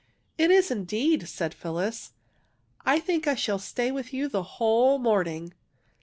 " It is, indeed,'' said Phyllis. " 1 think I shall stay with you the whole morning."